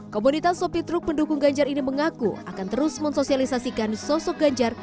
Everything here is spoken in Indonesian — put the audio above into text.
komunitas sopi truk pendukung ganjar ini mengaku akan terus mensosialisasikan sosok ganjar